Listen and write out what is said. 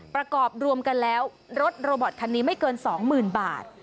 ประกอบรวมกันแล้วรถโรบอตคันนี้ไม่เกิน๒๐๐๐บาท